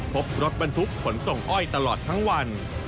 พบรถบรรทุกขนส่งอ้อยตลอดทั้งวัน